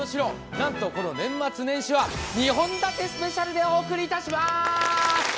なんとこの年末年始は２本立てスペシャルでお送りいたします。